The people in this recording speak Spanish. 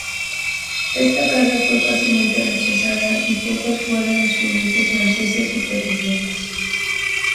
Esta carga fue fácilmente rechazada y pocos fueron los jinetes franceses supervivientes.